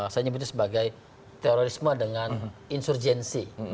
saya nyebutnya sebagai terorisme dengan insurgensi